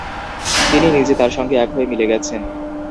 তিনি নিজে তার সঙ্গে এক হয়ে মিলে গেছেন।